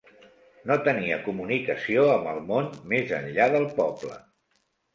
No tenia comunicació amb el món més enllà del poble.